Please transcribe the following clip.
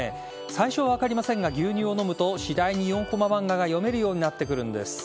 最初は分かりませんが牛乳を飲むと次第に４コマ漫画が読めるようになってくるんです。